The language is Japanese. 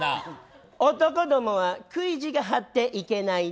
男どもは食い意地が張っていけないね。